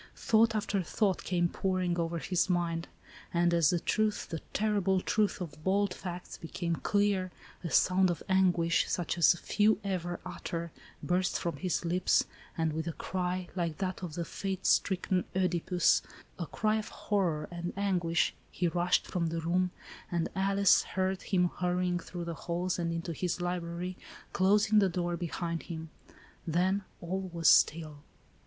Thought after thought came pouring over his mind, and as the truth, the terrible truth of bald facts, became clear, a sound of anguish, such as few ever utter, burst from his lips, — and with a cry, like that of the fate stricken CEdipus, a cry of horror and anguish, he rushed from the room, — and Alice heard him hurrying through the halls and into his library, closing the door behind him. Then all was still.